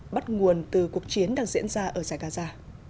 bắt nguồn từ cuộc chiến đang diễn ra ở zagaza